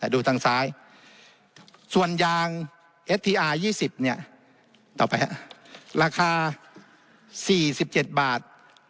ดูทางซ้ายส่วนยางเอสทีอาร์ยี่สิบเนี่ยต่อไปฮะราคาสี่สิบเจ็ดบาท